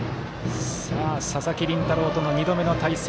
佐々木麟太郎との二度目の対戦。